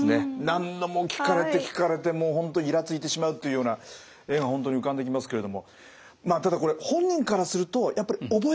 何度も聞かれて聞かれてもう本当イラついてしまうっていうような絵が本当に浮かんできますけれどもまあただこれ本人からするとやっぱり覚えなきゃっていうね。